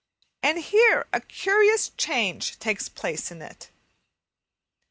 And here a curious change takes place in it.